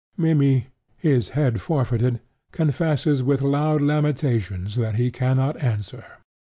Mimmy, his head forfeited, confesses with loud lamentations that he cannot answer.